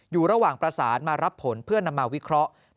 อยู่ระหว่างประสานมารับผลเพื่อนำมาวิเคราะห์